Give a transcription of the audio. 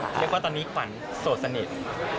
เรียกว่าตอนนี้ขวัญโสดสนิท